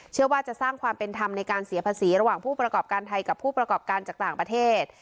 เชื่อว่าจะสร้างความเป็นธรรมในการเสียภาษีระหว่างผู้ประกอบการไทยกับผู้ประกอบการจากต่างประเทศ